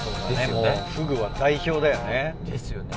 もうフグは代表だよね。